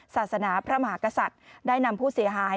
ศาสนาพระมหากษัตริย์ได้นำผู้เสียหาย